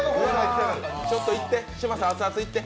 ちょっと嶋佐熱々いって！